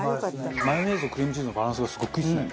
マヨネーズとクリームチーズのバランスがすごくいいですね。